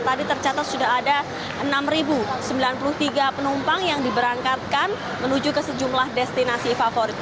tadi tercatat sudah ada enam sembilan puluh tiga penumpang yang diberangkatkan menuju ke sejumlah destinasi favorit